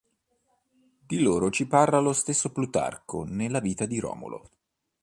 Di loro ci parla lo stesso Plutarco nella "Vita di Romolo".